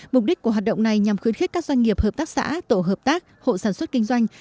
mục đích của hoạt động này nhằm khuyến khích các doanh nghiệp hợp tác xã tổ hợp tác hộ sản xuất kinh doanh